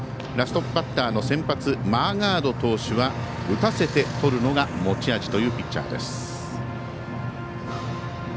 ラストバッターの先発マーガード投手は打たせてとるのが持ち味というピッチャーです。